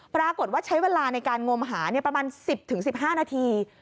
ปรากฏว่าใช้เวลาในการงมหาประมาณ๑๐๑๕นาที